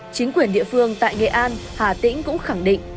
chính quyền địa phương tại nghệ an hà tĩnh cũng khẳng định